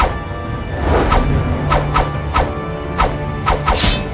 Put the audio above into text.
atau akan ada yang celaka